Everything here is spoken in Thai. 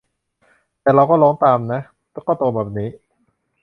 แต่เราก็ร้องตามนะ ก็โตมาแบบนี้